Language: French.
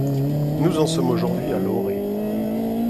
Nous en sommes aujourd’hui à l’orée.